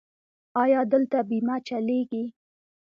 ایا دلته بیمه چلیږي؟